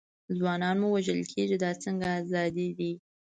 ځوانان مو وژل کېږي، دا څنګه ازادي ده.